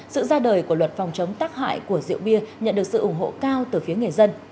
sự ra đời của luật phòng chống tác hại của rượu bia nhận được sự ủng hộ cao từ phía người dân